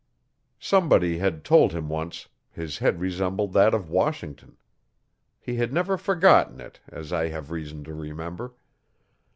Somebody had told him once, his head resembled that of Washington. He had never forgotten it, as I have reason to remember.